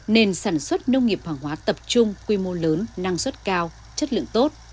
nền sản xuất nông nghiệp hoàng hóa tập trung quy mô lớn năng suất cao chất lượng tốt